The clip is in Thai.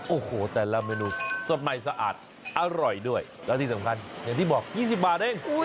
โอ้โหแต่ละเมนูสดใหม่สะอาดอร่อยด้วยแล้วที่สำคัญอย่างที่บอก๒๐บาทเอง